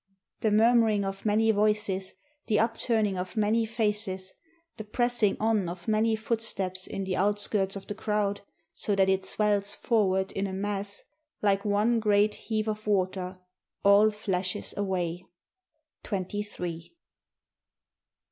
The murmuring of many voices, the upturning of many faces, the pressing on of many footsteps in the out skirts of the crowd, so that it swells forward in a mass, like one great heave of water, all flashes away. Twenty three.